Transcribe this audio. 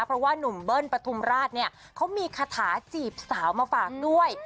เพราะว่านุ่มเบิ้ลปฐุมราชเนี่ยเขามีคาถาจีบสาวมาฝากด้วย